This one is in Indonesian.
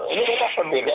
ini kita perbeda